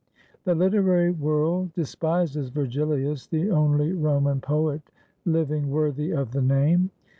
The literary world despises Vergilius (the only Roman poet living worthy of the name